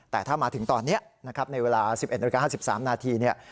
แต่ถ้ามาถึงตอนนี้นะครับในเวลา๑๑๕๓นาที